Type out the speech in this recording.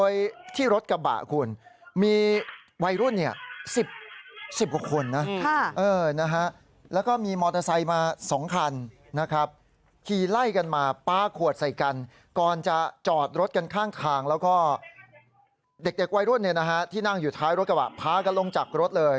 อยู่ท้ายรถกระบะพ้ากันลงจับรถเลย